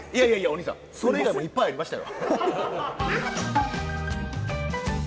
お兄さんそれ以外もいっぱいありましたよ。